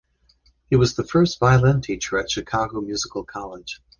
He was first violin teacher at Chicago Musical College.